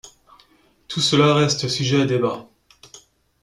Tout cela reste sujet à débat.